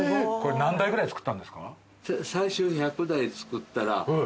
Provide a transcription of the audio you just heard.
何台ぐらい作ったんですか？